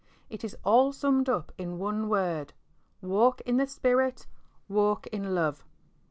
It is all summed up in one word, '' walk in the spirit," " walk in love."